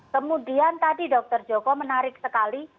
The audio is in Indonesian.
kemudian tadi dokter joko menarik sekali